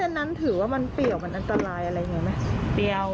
อันนั้นถือว่ามันเปรี้ยวมันอันตรายอะไรอย่างนี้ไหม